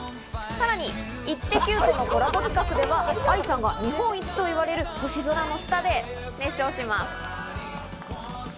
さらに『イッテＱ！』とのコラボ企画ではＡＩさんが日本一といわれる星空の下で熱唱します。